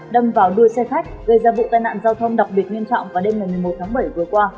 đâm vào đuôi xe khách gây ra vụ tai nạn giao thông đặc biệt nghiêm trọng vào đêm ngày một mươi một tháng bảy vừa qua